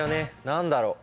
何だろう？